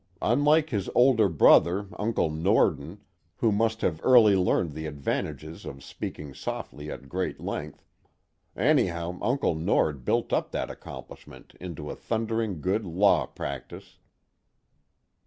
Unlike his older brother Uncle Norden, who must have early learned the advantages of speaking softly at great length anyhow Uncle Nord built up that accomplishment into a thundering good law practice.